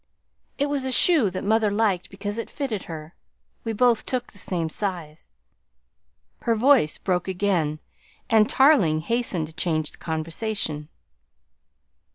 "It was a shoe that mother liked because it fitted her. We both took the same size...." Her voice broke again and Tarling hastened to change the conversation.